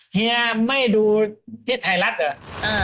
เฮียไม่ดูที่ไทยรัฐเหรอ